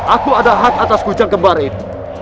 aku ada hak atas kucang kemarin